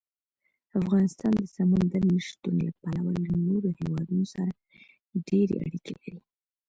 افغانستان د سمندر نه شتون له پلوه له نورو هېوادونو سره ډېرې اړیکې لري.